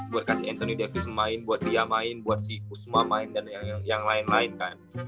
buat kasih anthony davis main buat dia main buat siku semua main dan yang lain lain kan